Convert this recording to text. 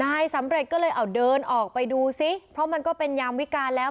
นายสำเร็จก็เลยเอาเดินออกไปดูซิเพราะมันก็เป็นยามวิการแล้ว